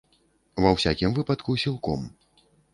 Ва ўсякім выпадку, сілком.